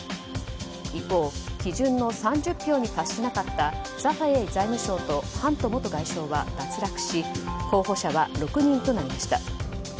一方、基準の３０票に達しなかったザハウィ財務相とハント元外相は脱落し、候補者は６人となりました。